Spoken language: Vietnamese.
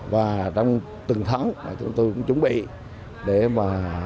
và trong từng tháng chúng tôi cũng chuẩn bị để mà